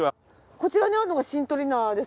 こちらにあるのがシントリ菜ですか？